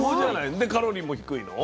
でカロリーも低いの？